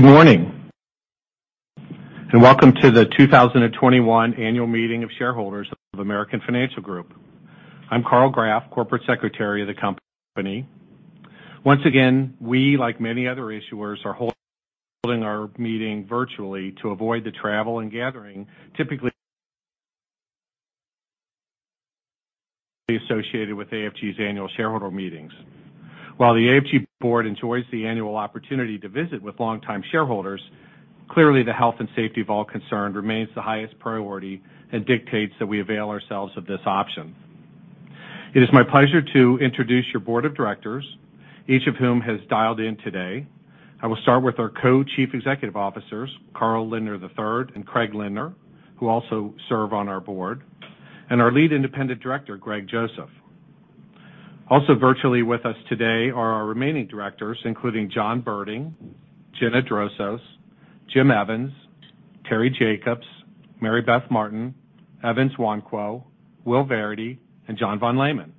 Good morning, and welcome to the 2021 Annual Meeting of Shareholders of American Financial Group. I'm Karl Grafe, corporate secretary of the company. Once again, we, like many other issuers, are holding our meeting virtually to avoid the travel and gathering typically associated with AFG's annual shareholder meetings. While the AFG Board enjoys the annual opportunity to visit with longtime shareholders, clearly the health and safety of all concerned remains the highest priority and dictates that we avail ourselves of this option. It is my pleasure to introduce your board of directors, each of whom has dialed in today. I will start with our Co-Chief Executive Officers, Carl Lindner III and Craig Lindner, who also serve on our board, and our Lead Independent Director, Greg Joseph. Also virtually with us today are our remaining directors, including John Berding, Gina Drosos, Jim Evans, Terry Jacobs, Mary Beth Martin, Evans Nwankwo, Will Verity, and John Von Lehman.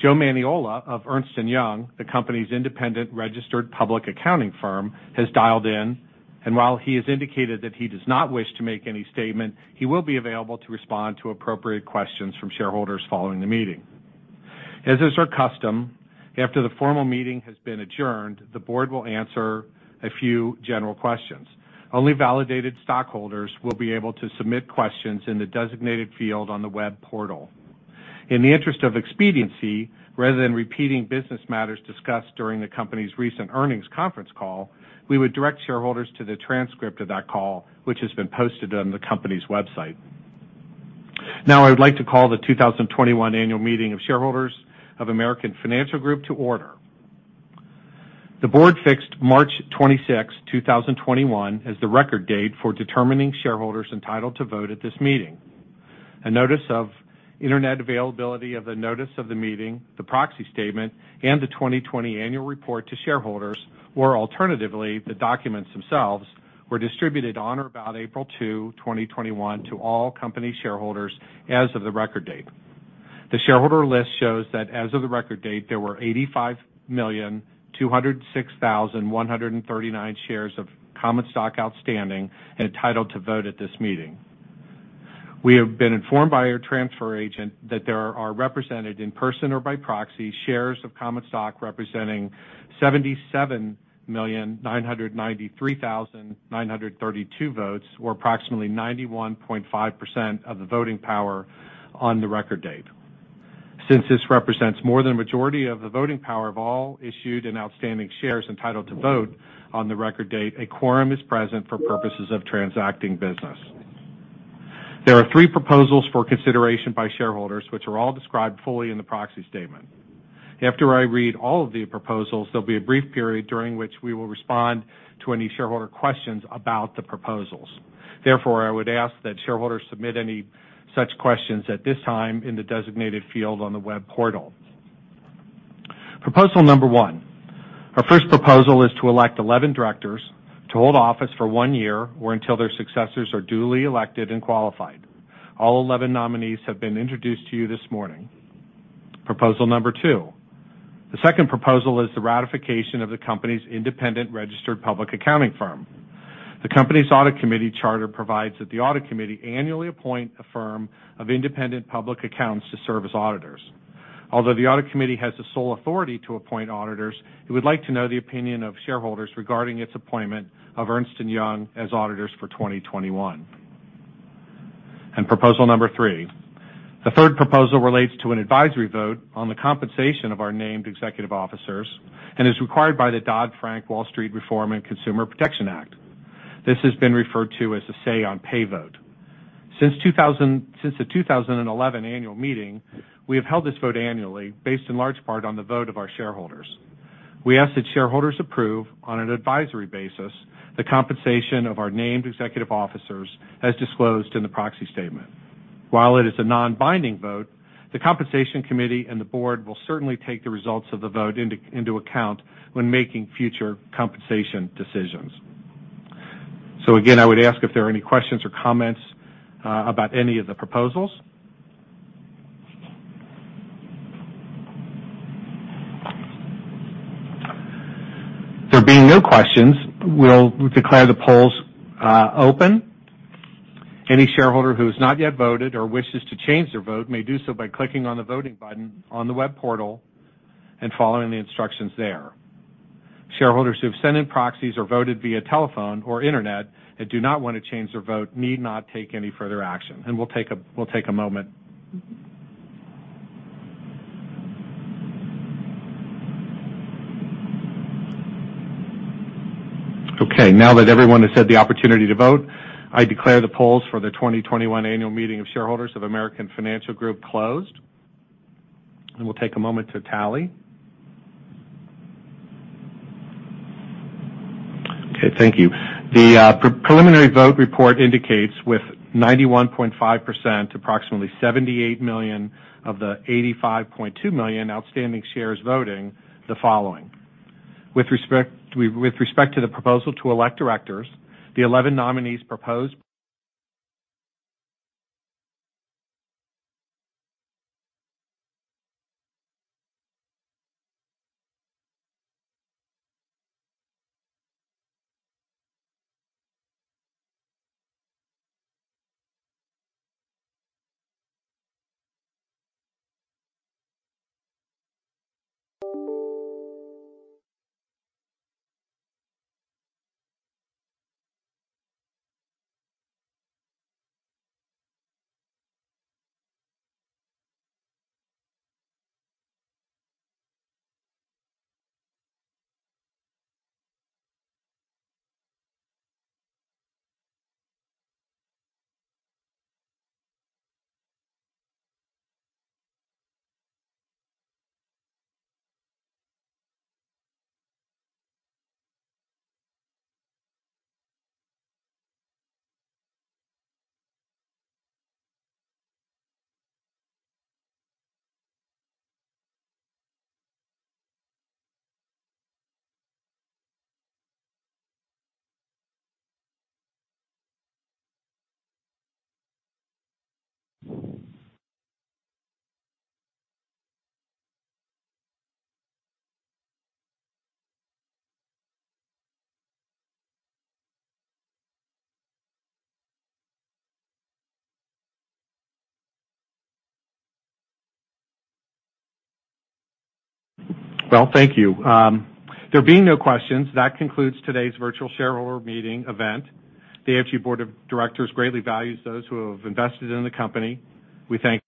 Joe Maniola of Ernst & Young, the company's independent registered public accounting firm, has dialed in, and while he has indicated that he does not wish to make any statement, he will be available to respond to appropriate questions from shareholders following the meeting. As is our custom, after the formal meeting has been adjourned, the board will answer a few general questions. Only validated stockholders will be able to submit questions in the designated field on the web portal. In the interest of expediency, rather than repeating business matters discussed during the company's recent earnings conference call, we would direct shareholders to the transcript of that call, which has been posted on the company's website. I would like to call the 2021 Annual Meeting of Shareholders of American Financial Group to order. The board fixed March 26th, 2021, as the record date for determining shareholders entitled to vote at this meeting. A notice of internet availability of the notice of the meeting, the proxy statement, and the 2020 annual report to shareholders, or alternatively, the documents themselves, were distributed on or about April 2nd, 2021, to all company shareholders as of the record date. The shareholder list shows that as of the record date, there were 85,206,139 shares of common stock outstanding entitled to vote at this meeting. We have been informed by our transfer agent that there are represented in person or by proxy shares of common stock representing 77,993,932 votes, or approximately 91.5% of the voting power on the record date. Since this represents more than a majority of the voting power of all issued and outstanding shares entitled to vote on the record date, a quorum is present for purposes of transacting business. There are three proposals for consideration by shareholders, which are all described fully in the proxy statement. After I read all of the proposals, there'll be a brief period during which we will respond to any shareholder questions about the proposals. I would ask that shareholders submit any such questions at this time in the designated field on the web portal. Proposal number one. Our first proposal is to elect 11 directors to hold office for one year, or until their successors are duly elected and qualified. All 11 nominees have been introduced to you this morning. Proposal number two. The second proposal is the ratification of the company's independent registered public accounting firm. The company's audit committee charter provides that the audit committee annually appoint a firm of independent public accountants to serve as auditors. Although the audit committee has the sole authority to appoint auditors, it would like to know the opinion of shareholders regarding its appointment of Ernst & Young as auditors for 2021. Proposal number three. The third proposal relates to an advisory vote on the compensation of our named executive officers and is required by the Dodd-Frank Wall Street Reform and Consumer Protection Act. This has been referred to as the Say-on-Pay vote. Since the 2011 annual meeting, we have held this vote annually based in large part on the vote of our shareholders. We ask that shareholders approve on an advisory basis the compensation of our named executive officers as disclosed in the proxy statement. While it is a non-binding vote, the compensation committee and the board will certainly take the results of the vote into account when making future compensation decisions. Again, I would ask if there are any questions or comments about any of the proposals. There being no questions, we'll declare the polls open. Any shareholder who has not yet voted or wishes to change their vote may do so by clicking on the voting button on the web portal and following the instructions there. Shareholders who have sent in proxies or voted via telephone or internet and do not want to change their vote need not take any further action. We'll take a moment. Okay, now that everyone has had the opportunity to vote, I declare the polls for the 2021 Annual Meeting of Shareholders of American Financial Group closed. We'll take a moment to tally. Okay, thank you. The preliminary vote report indicates, with 91.5%, approximately $78 million of the $85.2 million outstanding shares voting the following. With respect to the proposal to elect directors, the 11 nominees proposed Well, thank you. There being no questions, that concludes today's virtual shareholder meeting event. The AFG Board of Directors greatly values those who have invested in the company. We thank you